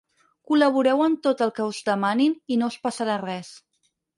Col·laborareu en tot el que us demanin i no us passarà res.